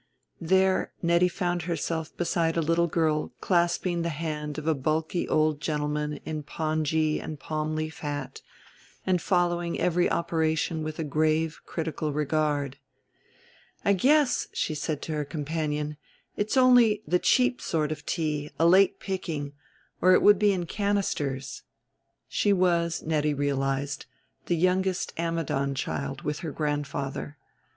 There Nettie found herself beside a little girl clasping the hand of a bulky old gentleman in pongee and a palm leaf hat and following every operation with a grave critical regard. "I guess," she said to her companion, "it's only the cheap sort of tea, a late picking, or it would be in canisters." She was, Nettie realized, the youngest Ammidon child with her grand father.